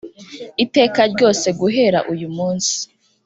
iteka ryose guhera uyu munsi.